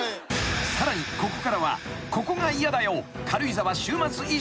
［さらにここからはここが嫌だよ］